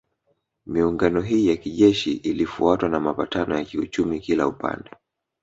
Miungano hii ya kijeshi ilifuatwa na mapatano ya kiuchumi kila upande